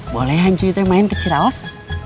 boleh hancurin main ke ciraos